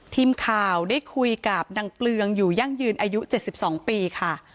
ทีมข่าวได้คุยกับนางเปลืองอยู่ยั่งยืนอายุ๗๒ปีค่ะ